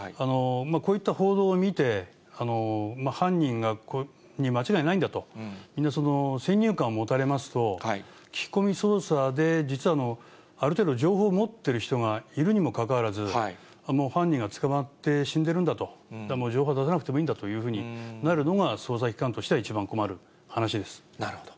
こういった報道を見て、犯人に間違いないんだと、みんな先入観を持たれますと、聞き込み捜査で、実はある程度、情報を持っている人がいるにもかかわらず、もう犯人が捕まって死んでいるんだと、もう情報を出さなくてもいいんだとなるのが捜査機関としては一番なるほど。